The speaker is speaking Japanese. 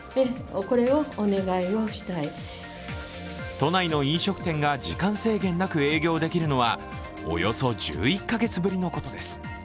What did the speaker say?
都内の飲食店が時間制限なく営業できるのはおよそ１１か月ぶりのことです。